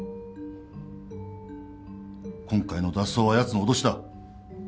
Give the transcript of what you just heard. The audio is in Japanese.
今回の脱走はやつの脅しだ。